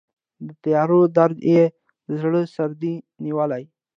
د تیارو درد یې د زړه سردې نیولی